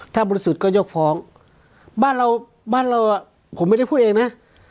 ถ้าบริสุทธิ์ก็ยกฟ้องบ้านเราบ้านเราผมไม่ได้พูดเองนะ